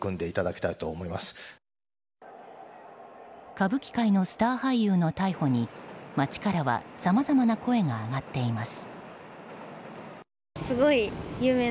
歌舞伎界のスター俳優の逮捕に街からさまざまな声が上がっています。